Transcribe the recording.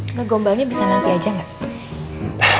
nggak gombalnya bisa nanti aja nggak